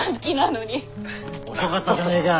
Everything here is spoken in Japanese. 遅かったじゃねえか。